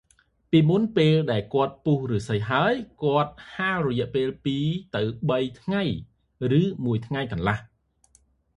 «ពីមុន ពេលដែលគាត់ពុះឫស្សីហើយ គាត់ហាលរយៈពេលពីរទៅបីថ្ងៃ ឬមួយថ្ងៃកន្លះ។